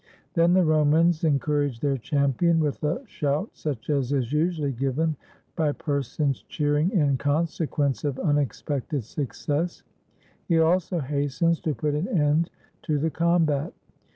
Then the Romans encourage their champion with a shout such as is usually given by persons cheering in consequence of unexpected success : he also hastens to put an end to the combat.